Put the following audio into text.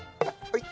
はい。